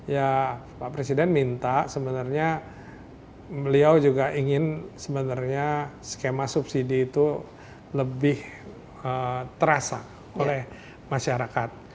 ya pak presiden minta sebenarnya beliau juga ingin sebenarnya skema subsidi itu lebih terasa oleh masyarakat